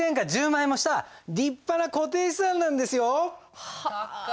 １０万円もした立派な固定資産なんですよ！はあ